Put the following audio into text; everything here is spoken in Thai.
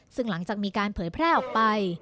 ซึ่งหลังจากมีการเผยแพร่ออกไป